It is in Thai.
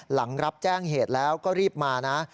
หลังรับแจ้งเหตุแล้วก็รีบมานะ